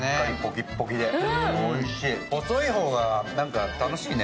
細い方が、なんか楽しいね。